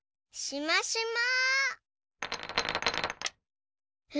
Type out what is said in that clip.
しましま！